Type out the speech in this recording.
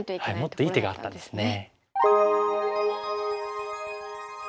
もっといい手があったんですね。